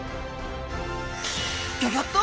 ギョギョッと！